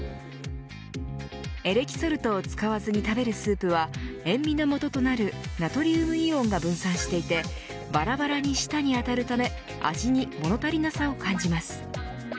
エレキソルトを使わずに食べるスープは塩味のもととなるナトリウムイオンが分散していてばらばらに舌に当たるため味に物足りなさを感じます。